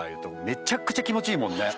めちゃくちゃ気持ちいいもんね。